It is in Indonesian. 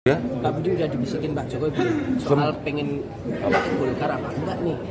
bapak budi sudah dibisikin mbak joko ibu soal pengen bawa bulkar apa enggak nih